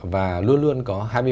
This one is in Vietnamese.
và luôn luôn có